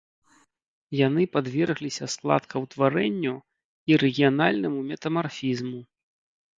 Яны падвергліся складкаўтварэнню і рэгіянальнаму метамарфізму.